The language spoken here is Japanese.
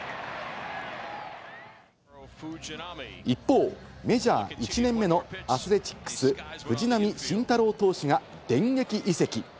一方、メジャー１年目のアスレチックス・藤浪晋太郎投手が電撃移籍。